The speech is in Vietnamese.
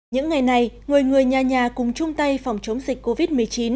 những ngày này người người nhà nhà cùng chung tay phòng chống dịch covid một mươi chín